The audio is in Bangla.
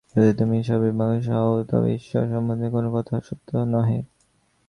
যদি তুমি বাস্তবিক মহাপুরুষ না হও, তবে ঈশ্বর সম্বন্ধেও কোন কথা সত্য নহে।